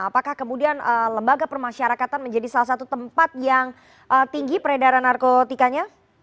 apakah kemudian lembaga permasyarakatan menjadi salah satu tempat yang tinggi peredaran narkotikanya